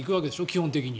基本的に。